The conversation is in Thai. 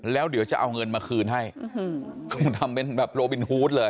แล้วเดี๋ยวจะเอาเงินมาคืนให้ต้องทำเป็นแบบโรบินฮูตเลย